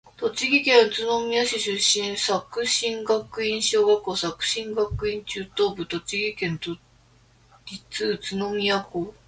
栃木県宇都宮市出身。作新学院小学部、作新学院中等部、栃木県立宇都宮高等学校、青山学院大学文学部日本文学科卒業。